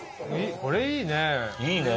これいいね！